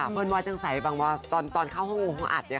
ค่อยบอกว่าที่จังศัยที่นี่แนะนำเรื่อย